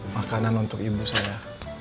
makanan untuk ibu saya